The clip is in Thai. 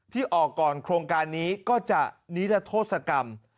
ที่ออกก่อนโครงการนี้ก็จะนิรโทษกรรม